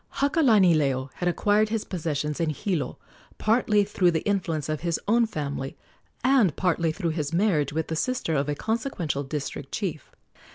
Hakalanileo had acquired his possessions in Hilo partly through the influence of his own family, and partly through his marriage with the sister of a consequential district chief.